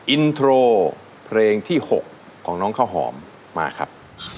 อินโทรเพลงที่๖ของน้องข้าวหอมมาครับ